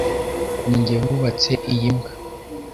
Ninjye wubatse iyi mbwa.